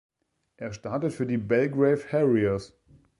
Er startet für die "Belgrave Harriers.